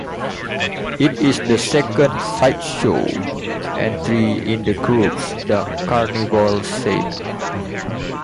It is the second "sideshow" entry in the group's Dark Carnival saga.